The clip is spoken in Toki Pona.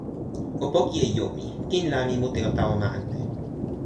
o poki e jo mi. kin la mi mute o tawa ma ante.